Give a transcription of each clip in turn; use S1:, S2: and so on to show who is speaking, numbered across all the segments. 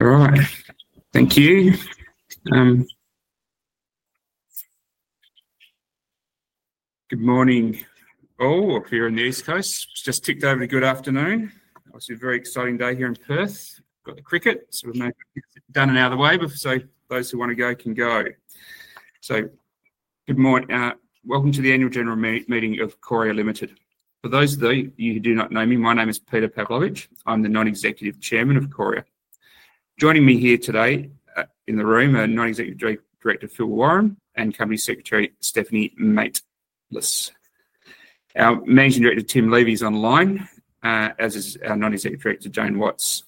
S1: All right. Thank you. Good morning, all of you on the East Coast. Just ticked over to good afternoon. Obviously, a very exciting day here in Perth. Got the cricket, so we've done an hour the way, so those who want to go can go. Good morning. Welcome to the Annual General Meeting of Qoria Limited. For those of you who do not know me, my name is Peter Pawlowitsch. I'm the Non-Executive Chairman of Qoria. Joining me here today in the room are Non-Executive Director Phil Warren and Company Secretary Stephanie Matelas. Our Managing Director, Tim Levy, is online, as is our Non-Executive Director, Jane Watts.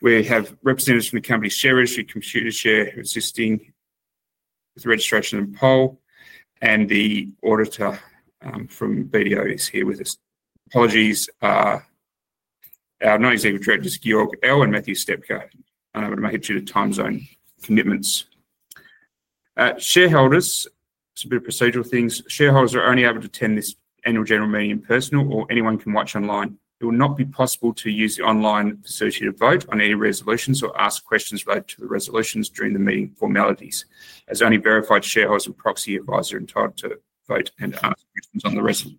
S1: We have representatives from the company share registry, Computershare, assisting with registration and poll, and the auditor from BDO is here with us. Apologies. Our non-executive directors, Georg Ell and Matthew Stepka, are unable to make it due to time zone commitments. Shareholders, just a bit of procedural things. Shareholders are only able to attend this Annual General Meeting in person, or anyone can watch online. It will not be possible to use the online associated vote on any resolutions or ask questions related to the resolutions during the meeting formalities, as only verified shareholders and proxy advisers are entitled to vote and ask questions on the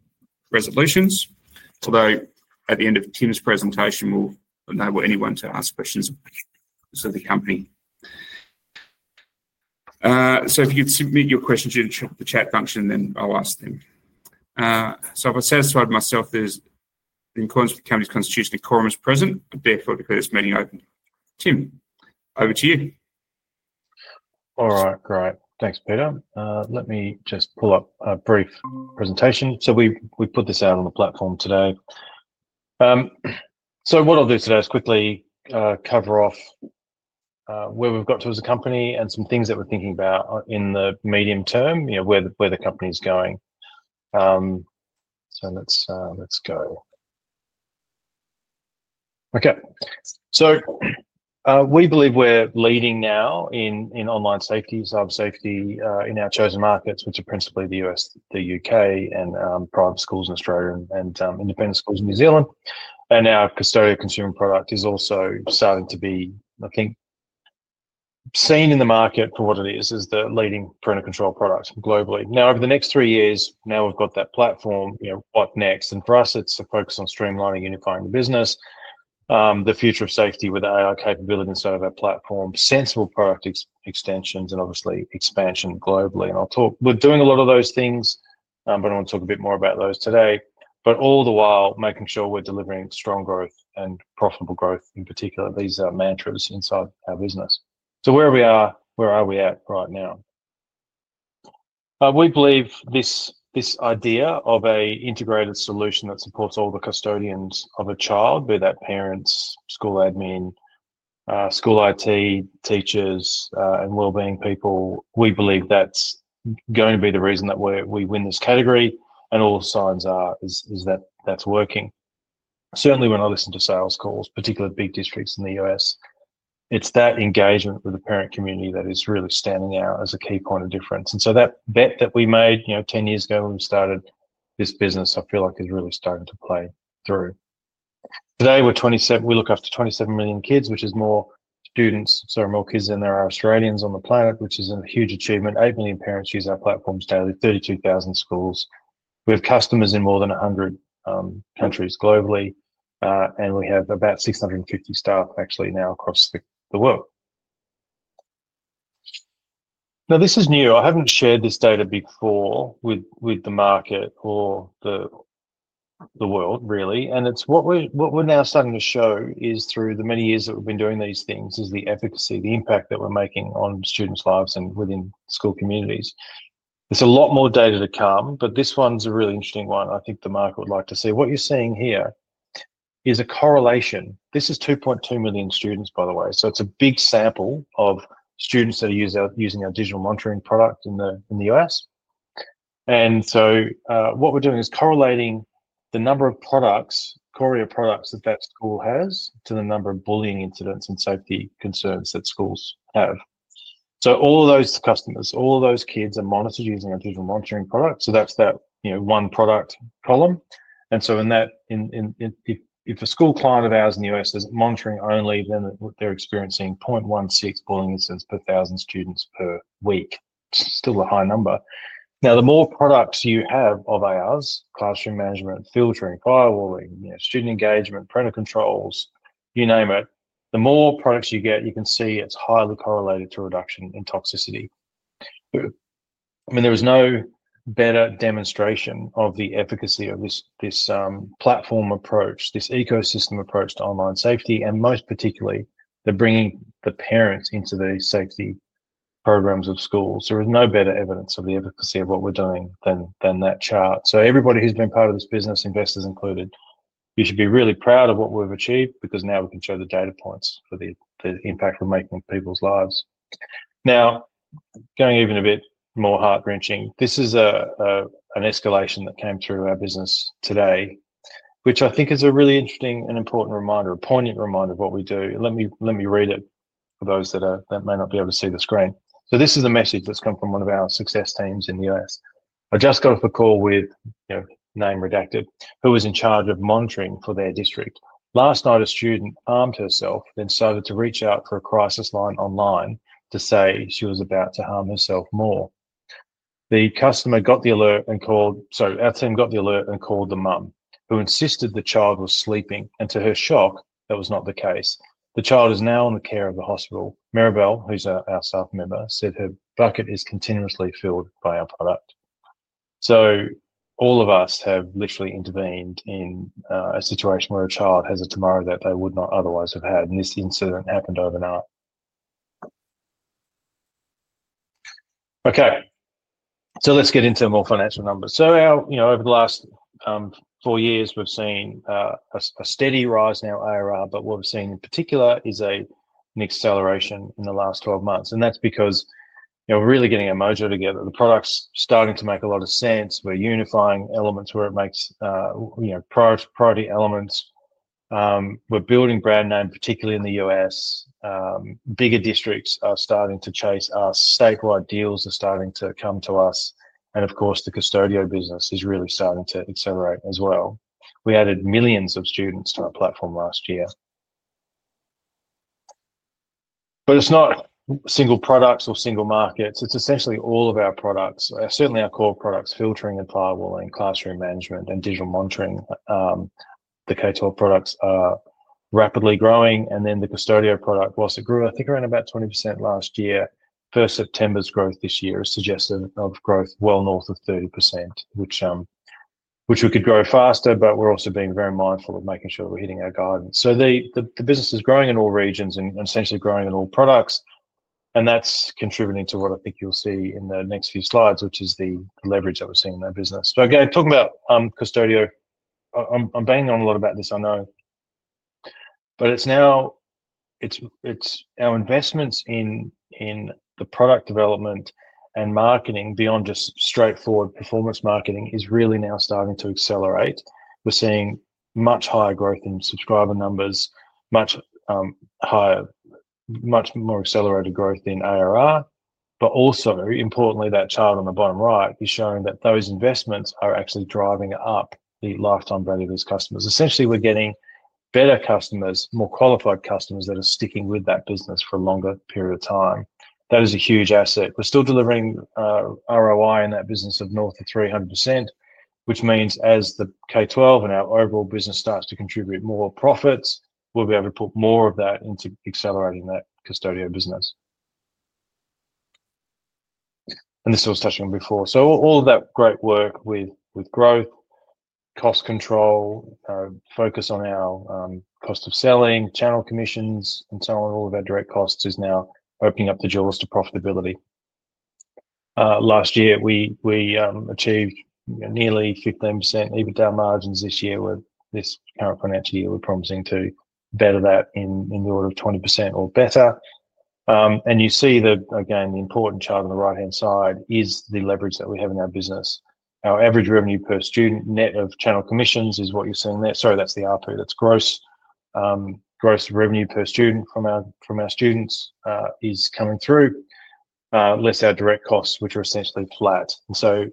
S1: resolutions. Although at the end of Tim's presentation, we'll enable anyone to ask questions of the company. If you could submit your questions through the chat function, then I'll ask them. If I satisfied myself there's in accordance with the company's constitution and quorum is present, therefore declare this meeting open. Tim, over to you.
S2: All right. Great. Thanks, Peter. Let me just pull up a brief presentation. We put this out on the platform today. What I'll do today is quickly cover off where we've got to as a company and some things that we're thinking about in the medium term, where the company's going. Let's go. We believe we're leading now in online safety, cybersafety in our chosen markets, which are principally the U.S., the U.K., and private schools in Australia and independent schools in New Zealand. Our custodial consumer product is also starting to be, I think, seen in the market for what it is, as the leading parental control product globally. Over the next three years, now we've got that platform, what next? For us, it's a focus on streamlining, unifying the business, the future of safety with AI capability inside of our platform, sensible product extensions, and obviously expansion globally. We're doing a lot of those things, but I want to talk a bit more about those today. All the while, making sure we're delivering strong growth and profitable growth, in particular, these are mantras inside our business. Where are we at right now? We believe this idea of an integrated solution that supports all the custodians of a child, be that parents, school admin, school IT, teachers, and wellbeing people, we believe that's going to be the reason that we win this category. All the signs are that that's working. Certainly, when I listen to sales calls, particularly big districts in the U.S., it's that engagement with the parent community that is really standing out as a key point of difference. That bet that we made 10 years ago when we started this business, I feel like is really starting to play through. Today, we look after 27 million kids, which is more kids than there are Australians on the planet, which is a huge achievement, 8 million parents use our platforms daily, 32,000 schools. We have customers in more than 100 countries globally, and we have about 650 staff actually now across the world. This is new. I haven't shared this data before with the market or the world, really. What we're now starting to show is, through the many years that we've been doing these things, the efficacy, the impact that we're making on students' lives and within school communities. There's a lot more data to come, but this one's a really interesting one. I think the market would like to see. What you're seeing here is a correlation. This is 2.2 million students, by the way. It is a big sample of students that are using our digital monitoring product in the U.S.. What we're doing is correlating the number of products, Qoria products that that school has, to the number of bullying incidents and safety concerns that schools have. All of those customers, all of those kids are monitored using our digital monitoring product. That is that one product column. If a school client of ours in the U.S. is monitoring only, then they're experiencing 0.16 bullying incidents per 1,000 students per week. Still a high number. The more products you have of ours—classroom management, filtering, firewalling, student engagement, parental controls, you name it—the more products you get, you can see it's highly correlated to reduction in toxicity. I mean, there is no better demonstration of the efficacy of this platform approach, this ecosystem approach to online safety, and most particularly, bringing the parents into the safety programs of schools. There is no better evidence of the efficacy of what we're doing than that chart. Everybody who's been part of this business, investors included, you should be really proud of what we've achieved because now we can show the data points for the impact we're making on people's lives. Now, going even a bit more heart-wrenching, this is an escalation that came through our business today, which I think is a really interesting and important reminder, a poignant reminder of what we do. Let me read it for those that may not be able to see the screen. This is a message that's come from one of our success teams in the U.S.. I just got off a call with name redacted, who was in charge of monitoring for their district. Last night, a student harmed herself, then started to reach out for a crisis line online to say she was about to harm herself more. The customer got the alert and called, sorry, our team got the alert and called the mum, who insisted the child was sleeping. To her shock, that was not the case. The child is now in the care of the hospital. Maribel, who's our staff member, said her bucket is continuously filled by our product. All of us have literally intervened in a situation where a child has a tomorrow that they would not otherwise have had. This incident happened overnight. Okay. Let's get into more financial numbers. Over the last four years, we've seen a steady rise in ARR, but what we've seen in particular is an acceleration in the last 12 months. That's because we're really getting our mojo together. The product's starting to make a lot of sense. We're unifying elements where it makes priority elements. We're building brand name, particularly in the U.S.. Bigger districts are starting to chase us. Statewide deals are starting to come to us. Of course, the custodial business is really starting to accelerate as well. We added millions of students to our platform last year. It's not single products or single markets. It's essentially all of our products, certainly our core products, filtering and firewalling, classroom management, and digital monitoring. The K-12 products are rapidly growing and the custodial product, whilst it grew, I think around about 20% last year. First September's growth this year is suggestive of growth well north of 30%, which we could grow faster, but we're also being very mindful of making sure we're hitting our goal. The business is growing in all regions and essentially growing in all products. That's contributing to what I think you'll see in the next few slides, which is the leverage that we're seeing in our business. Again, talking about custodial, I'm banging on a lot about this, I know. It is now our investments in the product development and marketing beyond just straightforward performance marketing that is really now starting to accelerate. We are seeing much higher growth in subscriber numbers, much more accelerated growth in ARR. Also, importantly, that child on the bottom right is showing that those investments are actually driving up the lifetime value of these customers. Essentially, we are getting better customers, more qualified customers that are sticking with that business for a longer period of time. That is a huge asset. We are still delivering ROI in that business of north of 300%, which means as the K-12 and our overall business starts to contribute more profits, we will be able to put more of that into accelerating that custodial business. This was touching on before. All of that great work with growth, cost control, focus on our cost of selling, channel commissions, and so on, all of our direct costs is now opening up the jewels to profitability. Last year, we achieved nearly 15% EBITDA margins. This year, this current financial year, we're promising to better that in the order of 20% or better. You see, again, the important chart on the right-hand side is the leverage that we have in our business. Our average revenue per student net of channel commissions is what you're seeing there. Sorry, that's the RP. That's gross revenue per student from our students is coming through, less our direct costs, which are essentially flat.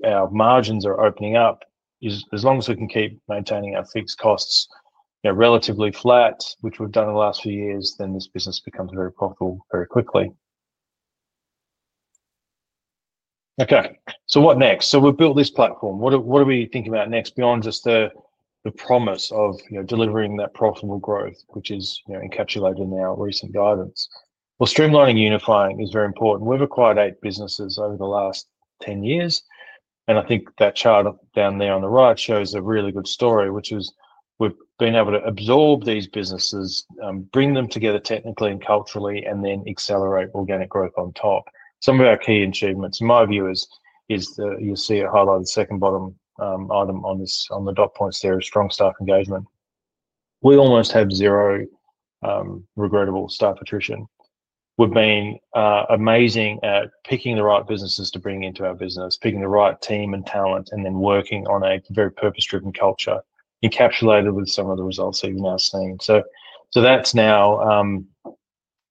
S2: Our margins are opening up. As long as we can keep maintaining our fixed costs relatively flat, which we've done in the last few years, this business becomes very profitable very quickly. Okay. What next? We've built this platform. What are we thinking about next beyond just the promise of delivering that profitable growth, which is encapsulated in our recent guidance? Streamlining and unifying is very important. We've acquired eight businesses over the last 10 years. I think that chart down there on the right shows a really good story, which is we've been able to absorb these businesses, bring them together technically and culturally, and then accelerate organic growth on top. Some of our key achievements, in my view, is you see it highlighted second bottom item on the dot points there, is strong staff engagement. We almost have zero regrettable staff attrition. We've been amazing at picking the right businesses to bring into our business, picking the right team and talent, and then working on a very purpose-driven culture, encapsulated with some of the results that you've now seen. That is now,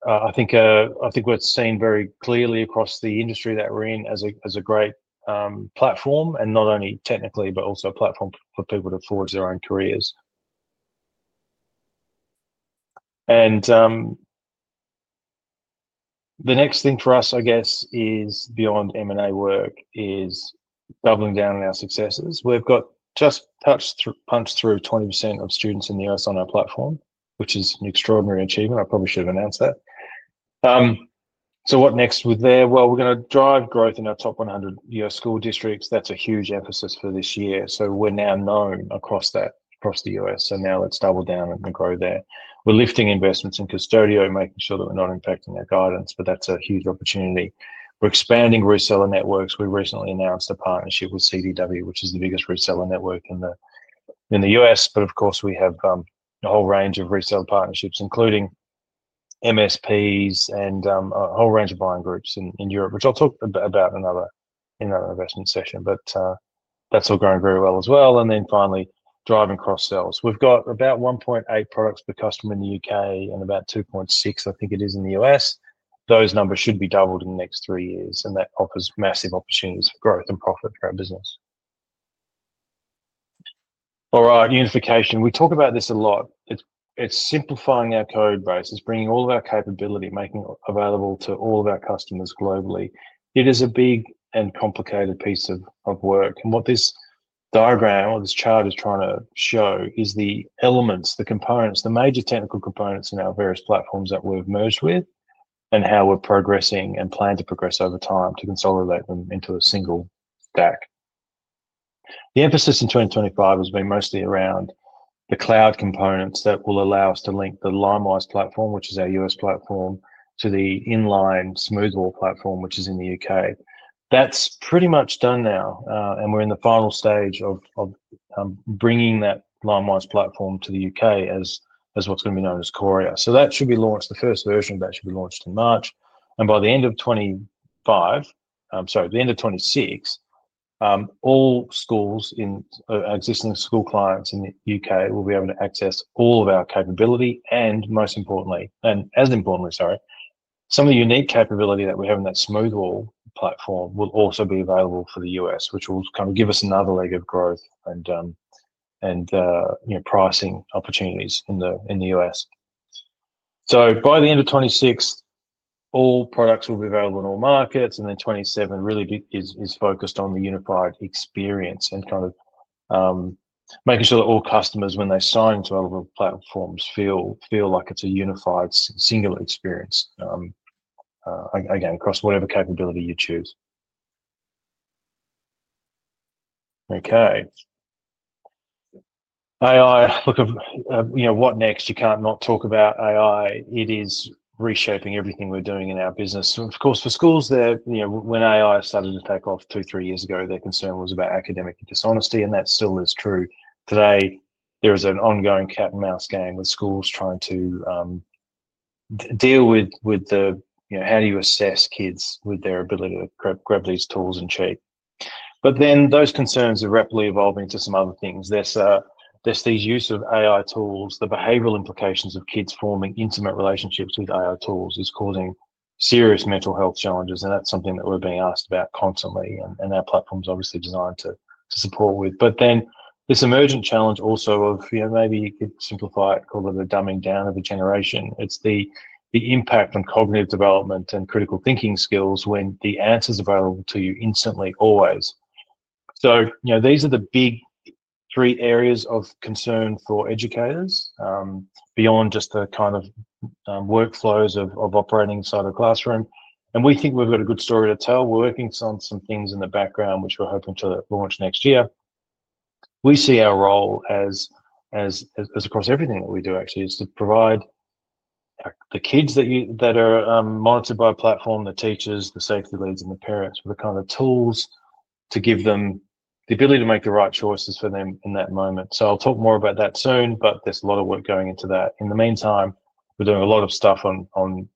S2: I think, we're seeing very clearly across the industry that we're in as a great platform, and not only technically, but also a platform for people to forge their own careers. The next thing for us, I guess, is beyond M&A work, doubling down on our successes. We've just punched through 20% of students in the U.S. on our platform, which is an extraordinary achievement. I probably should have announced that. What next with there? We're going to drive growth in our top 100 U.S. school districts. That's a huge emphasis for this year. We're now known across the U.S.. Now let's double down and grow there. We're lifting investments in custodial, making sure that we're not impacting our guidance, but that's a huge opportunity. We're expanding reseller networks. We recently announced a partnership with CDW, which is the biggest reseller network in the U.S.. Of course, we have a whole range of reseller partnerships, including MSPs and a whole range of buying groups in Europe, which I'll talk about in another investment session. That's all growing very well as well. Finally, driving cross-sells. We've got about 1.8 products per customer in the U.K. and about 2.6, I think it is, in the U.S.. Those numbers should be doubled in the next three years. That offers massive opportunities for growth and profit for our business. All right, unification. We talk about this a lot. It's simplifying our code base, it's bringing all of our capability, making it available to all of our customers globally. It is a big and complicated piece of work. What this diagram or this chart is trying to show is the elements, the components, the major technical components in our various platforms that we've merged with, and how we're progressing and plan to progress over time to consolidate them into a single stack. The emphasis in 2025 has been mostly around the cloud components that will allow us to link the Limeade platform, which is our U.S. platform, to the inline Smoothwall platform, which is in the U.K. That's pretty much done now. We're in the final stage of bringing that Limeade platform to the U.K. as what's going to be known as Qoria. That should be launched. The first version of that should be launched in March. By the end of 2025, sorry, the end of 2026, all schools in existing school clients in the U.K. will be able to access all of our capability. Most importantly, and as importantly, sorry, some of the unique capability that we have in that Smoothwall platform will also be available for the US, which will kind of give us another leg of growth and pricing opportunities in the U.S.. By the end of 2026, all products will be available in all markets. 2027 really is focused on the unified experience and kind of making sure that all customers, when they sign into our platforms, feel like it's a unified single experience, again, across whatever capability you choose. Okay. AI, look, what next? You can't not talk about AI. It is reshaping everything we're doing in our business. Of course, for schools there, when AI started to take off two, three years ago, their concern was about academic dishonesty. That still is true. Today, there is an ongoing cat-and-mouse game with schools trying to deal with how do you assess kids with their ability to grab these tools and cheat. Those concerns are rapidly evolving to some other things. There is the use of AI tools. The behavioral implications of kids forming intimate relationships with AI tools is causing serious mental health challenges. That is something that we're being asked about constantly. Our platform is obviously designed to support with that. This emergent challenge also of maybe you could simplify it, call it a dumbing down of a generation. It's the impact on cognitive development and critical thinking skills when the answer's available to you instantly, always. These are the big three areas of concern for educators beyond just the kind of workflows of operating inside a classroom. We think we've got a good story to tell. We're working on some things in the background, which we're hoping to launch next year. We see our role as across everything that we do, actually, is to provide the kids that are monitored by a platform, the teachers, the safety leads, and the parents with the kind of tools to give them the ability to make the right choices for them in that moment. I'll talk more about that soon, but there's a lot of work going into that. In the meantime, we're doing a lot of stuff on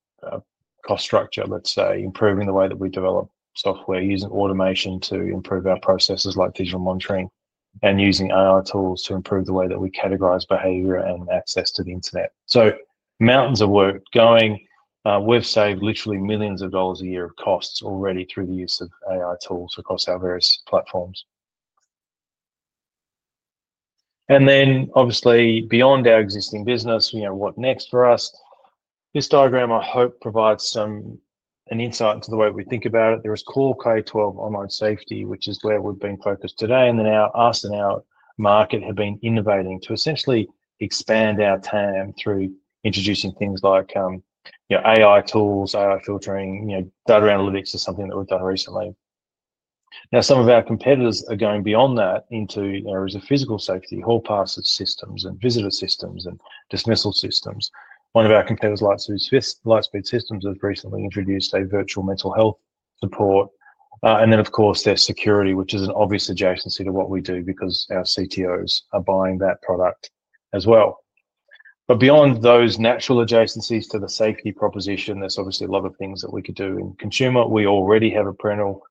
S2: cost structure, let's say, improving the way that we develop software, using automation to improve our processes like digital monitoring, and using AI tools to improve the way that we categorize behaviour and access to the internet. Mountains of work going. We've saved literally millions of dollars a year of costs already through the use of AI tools across our various platforms. Obviously, beyond our existing business, what next for us? This diagram, I hope, provides an insight into the way we think about it. There is core K-12 online safety, which is where we've been focused today. Us and our market have been innovating to essentially expand our TAM through introducing things like AI tools, AI filtering, data analytics is something that we've done recently. Now, some of our competitors are going beyond that into areas of physical safety, hall passer systems, and visitor systems, and dismissal systems. One of our competitors, Lightspeed Systems, has recently introduced a virtual mental health support. Of course, there is security, which is an obvious adjacency to what we do because our CTOs are buying that product as well. Beyond those natural adjacencies to the safety proposition, there is obviously a lot of things that we could do. In consumer, we already have a parental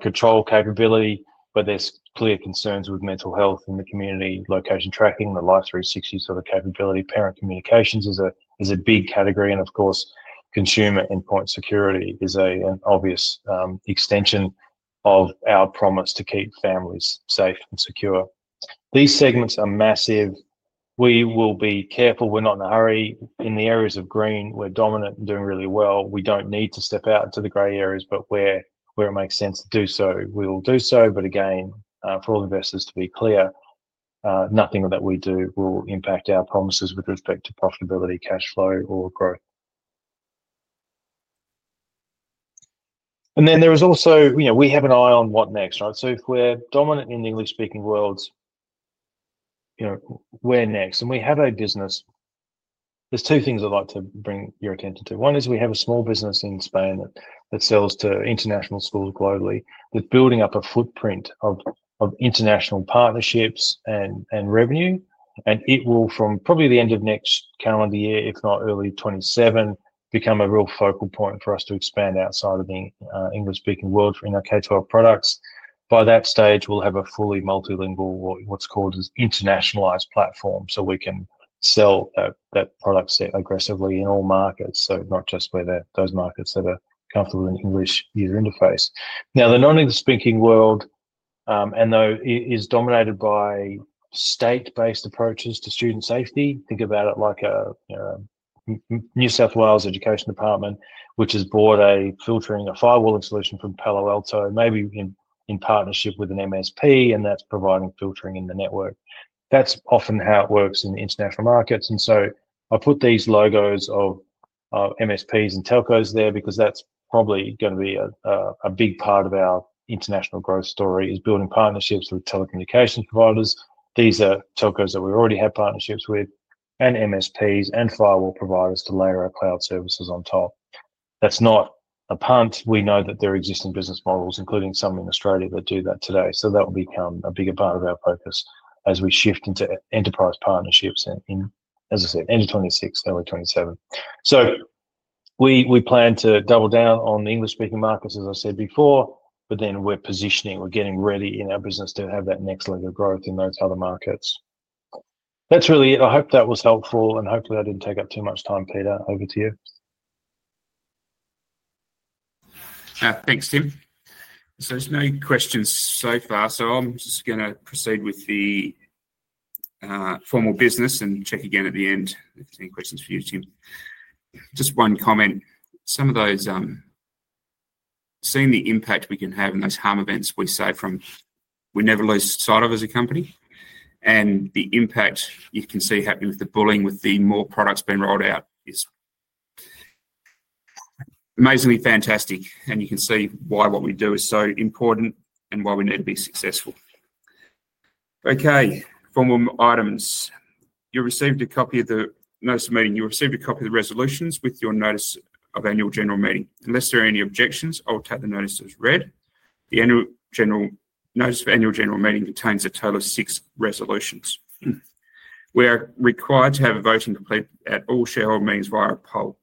S2: control capability, but there are clear concerns with mental health in the community, location tracking, the Life360 sort of capability. Parent communications is a big category. Of course, consumer endpoint security is an obvious extension of our promise to keep families safe and secure. These segments are massive. We will be careful. We are not in a hurry. In the areas of green, we're dominant and doing really well. We don't need to step out into the grey areas, but where it makes sense to do so, we will do so. For all investors to be clear, nothing that we do will impact our promises with respect to profitability, cash flow, or growth. There is also, we have an eye on what next, right? If we're dominant in English-speaking worlds, where next? We have a business. There are two things I'd like to bring your attention to. One is we have a small business in Spain that sells to international schools globally. We're building up a footprint of international partnerships and revenue. It will, from probably the end of next calendar year, if not early 2027, become a real focal point for us to expand outside of the English-speaking world in our K-12 products. By that stage, we'll have a fully multilingual, what's called an internationalised platform, so we can sell that product aggressively in all markets, not just those markets that are comfortable in English user interface. Now, the non-English-speaking world, and though it is dominated by state-based approaches to student safety, think about it like a New South Wales Education Department, which has bought a filtering, a firewalling solution from Palo Alto Networks, maybe in partnership with an MSP, and that's providing filtering in the network. That's often how it works in the international markets. I put these logos of MSPs and telcos there because that's probably going to be a big part of our international growth story, building partnerships with telecommunications providers. These are telcos that we already have partnerships with, and MSPs and firewall providers to layer our cloud services on top. That's not a punt. We know that there are existing business models, including some in Australia, that do that today. That will become a bigger part of our focus as we shift into enterprise partnerships in, as I said, end of 2026, early 2027. We plan to double down on the English-speaking markets, as I said before, but then we're positioning. We're getting ready in our business to have that next leg of growth in those other markets. That's really it. I hope that was helpful. Hopefully, that didn't take up too much time. Peter, over to you.
S1: Thanks, Tim. There are no questions so far. I am just going to proceed with the formal business and check again at the end if there are any questions for you, Tim. Just one comment. Some of those, seeing the impact we can have in those harm events we say from we never lose sight of as a company. The impact you can see happening with the bullying, with the more products being rolled out, is amazingly fantastic. You can see why what we do is so important and why we need to be successful. Okay. Formal items. You received a copy of the notice of meeting. You received a copy of the resolutions with your notice of annual general meeting. Unless there are any objections, I will take the notice as read. The annual general notice for annual general meeting contains a total of six resolutions. We are required to have a voting complete at all shareholder meetings via a poll.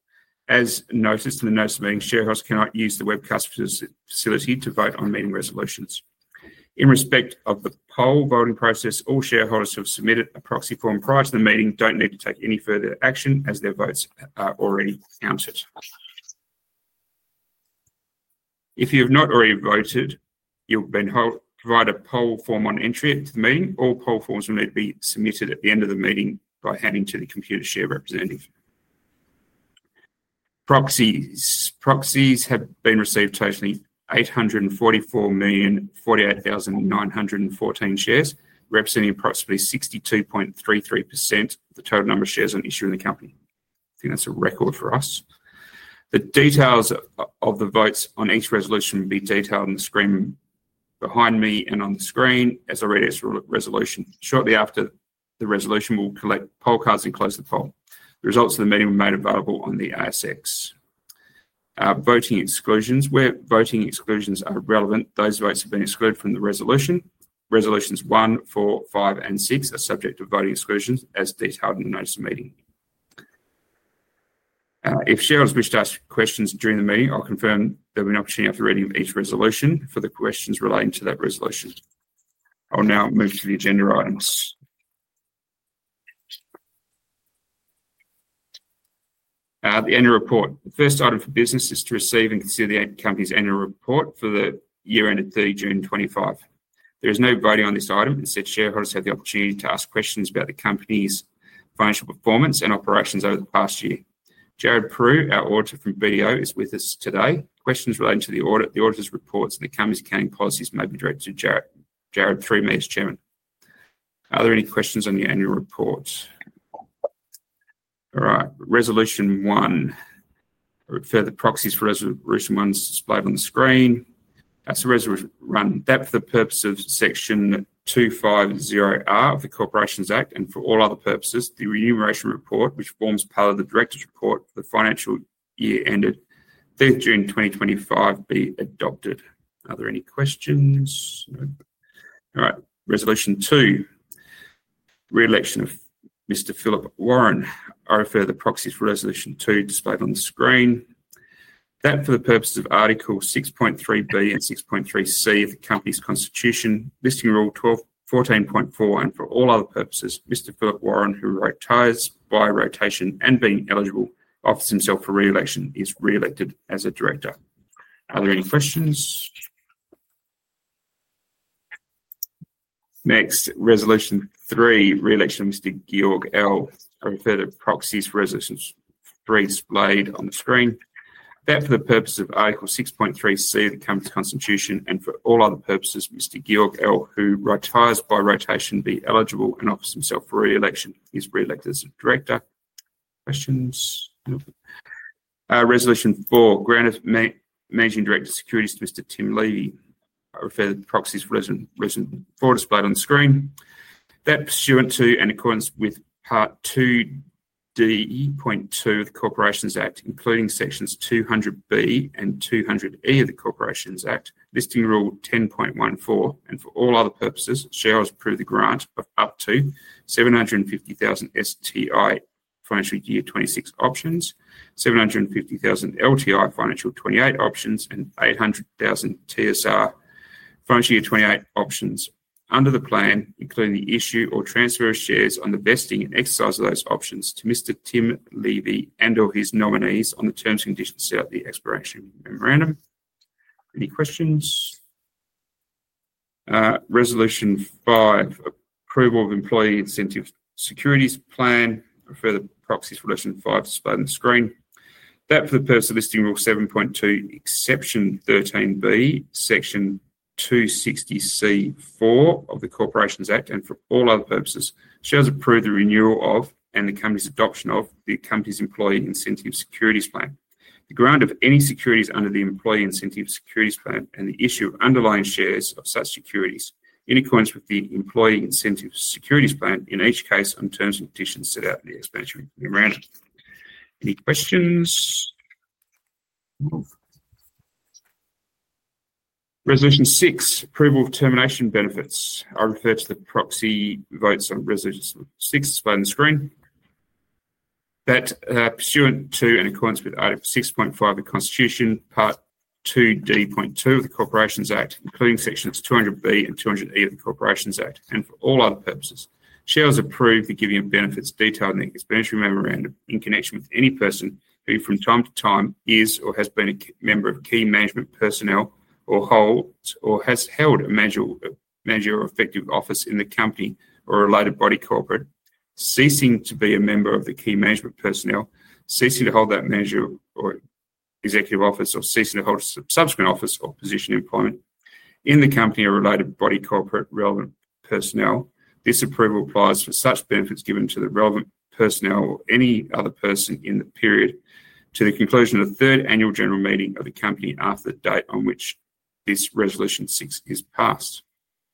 S1: As noticed in the notice of meeting, shareholders cannot use the web customer facility to vote on meeting resolutions. In respect of the poll voting process, all shareholders who have submitted a proxy form prior to the meeting don't need to take any further action as their votes are already counted. If you have not already voted, you'll be provided a poll form on entry to the meeting. All poll forms will need to be submitted at the end of the meeting by handing to the Computershare representative. Proxies have been received totally: 844,048,914 shares, representing approximately 62.33% of the total number of shares on issue in the company. I think that's a record for us. The details of the votes on each resolution will be detailed on the screen behind me and on the screen as I read each resolution. Shortly after the resolution, we'll collect poll cards and close the poll. The results of the meeting will be made available on the ASX. Voting exclusions. Where voting exclusions are relevant, those votes have been excluded from the resolution. Resolutions one, four, five, and six are subject to voting exclusions as detailed in the notice of meeting. If shareholders wish to ask questions during the meeting, I'll confirm there'll be an opportunity after reading of each resolution for the questions relating to that resolution. I'll now move to the agenda items. The annual report. The first item for business is to receive and consider the company's annual report for the year ended 30 June 2025. There is no voting on this item. Instead, shareholders have the opportunity to ask questions about the company's financial performance and operations over the past year. Jared Mitri, our auditor from BDO, is with us today. Questions relating to the audit, the auditor's reports, and the company's accounting policies may be directed to Jared Pruitt, Chairman. Are there any questions on the annual report? All right. Resolution one. Further proxies for resolution one is displayed on the screen. That's a resolution one. That for the purpose of section 250R of the Corporations Act and for all other purposes, the remuneration report, which forms part of the director's report for the financial year ended 30 June 2025, be adopted. Are there any questions? No. All right. Resolution two. Re-election of Mr. Philip Warren. I refer the proxies for resolution two displayed on the screen. That for the purpose of article 6.3B and 6.3C of the company's constitution, listing rule 14.4, and for all other purposes, Mr. Philip Warren, who rotates by rotation and being eligible, offers himself for re-election, is re-elected as a director. Are there any questions? Next, resolution three, re-election of Mr. Georg Ell. I refer the proxies for resolution three displayed on the screen. That for the purpose of article 6.3C of the company's constitution, and for all other purposes, Mr. Georg Ell, who rotates by rotation, be eligible and offers himself for re-election, is re-elected as a director. Questions? No. Resolution four, grant of managing director security to Mr. Tim Levy. I refer the proxies for resolution four displayed on the screen. That pursuant to and in accordance with part 2DE.2 of the Corporations Act, including sections 200B and 200E of the Corporations Act, listing rule 10.14, and for all other purposes, shareholders approve the grant of up to 750,000 STI financial year 2026 options, 750,000 LTI financial year 2028 options, and 800,000 TSR financial year 2028 options under the plan, including the issue or transfer of shares on the vesting and exercise of those options to Mr. Tim Levy and/or his nominees on the terms and conditions set at the expiration memorandum. Any questions? Resolution five, approval of employee incentive securities plan. I refer the proxies for resolution five displayed on the screen. That for the purpose of listing rule 7.2, exception 13B, section 260C4 of the Corporations Act, and for all other purposes, shareholders approve the renewal of and the company's adoption of the company's employee incentive securities plan. The grant of any securities under the employee incentive securities plan and the issue of underlying shares of such securities, in accordance with the employee incentive securities plan, in each case on terms and conditions set out in the explanatory memorandum. Any questions? Resolution six, approval of termination benefits. I refer to the proxy votes on resolution six displayed on the screen. That pursuant to and in accordance with article 6.5 of the Constitution, part 2D.2 of the Corporations Act, including sections 200B and 200E of the Corporations Act, and for all other purposes, shareholders approve the giving of benefits detailed in the expansion memorandum in connection with any person who, from time to time, is or has been a member of key management personnel or holds or has held a manager or executive office in the company or a related body corporate, ceasing to be a member of the key management personnel, ceasing to hold that manager or executive office, or ceasing to hold subsequent office or position employment in the company or related body corporate relevant personnel. This approval applies for such benefits given to the relevant personnel or any other person in the period to the conclusion of the third annual general meeting of the company after the date on which this resolution six is passed.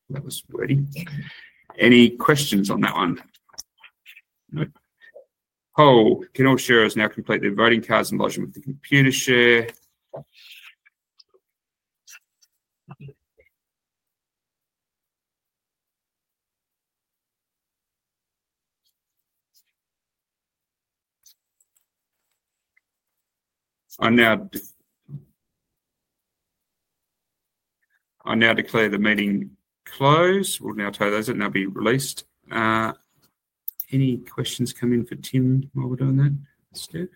S1: That was wordy. Any questions on that one? No. Poll. Can all shareholders now complete their voting cards and lodge them with Computershare? I now declare the meeting closed. We'll now tally those and they'll be released. Any questions coming for Tim while we're doing that?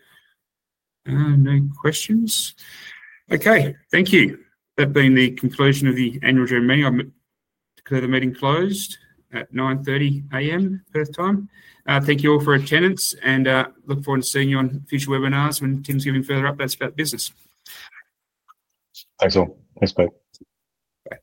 S1: No questions. Okay. Thank you. That being the conclusion of the annual general meeting, I declare the meeting closed at 9:30 A.M. Perth time. Thank you all for attendance, and look forward to seeing you on future webinars when Tim's giving further updates about business. Thanks all.
S2: Thanks, Peter.